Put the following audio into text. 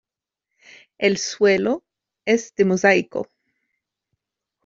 El suelo es de mosaico.